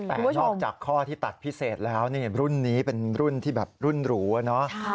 แต่นอกจากข้อที่ตัดพิเศษแล้วนี่รุ่นนี้เป็นรุ่นที่แบบรุ่นหรูอะเนาะ